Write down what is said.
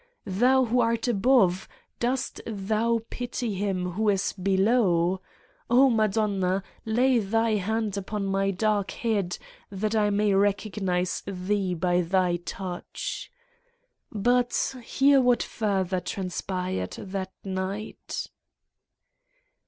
Thou, who art above, dost thou pity him who is below? Oh, Madonna, lay thy hand upon my dark head that I may recognize thee by thy touch! ... But hear what further transpired that night.